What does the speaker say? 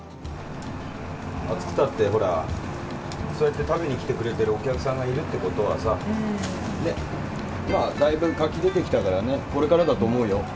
暑くたってほら、そうやって食べに来てくれてるお客さんがいるってことはさ、だいぶ活気出てきたからね、これからだと思うよ。